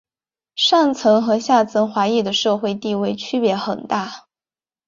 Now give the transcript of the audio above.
上层和下层华裔的社会地位区别很大。